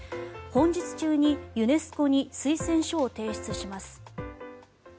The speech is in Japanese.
本日中にユネスコに推薦書を提出します。